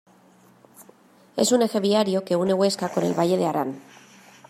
Es un eje viario que une Huesca con el Valle de Arán.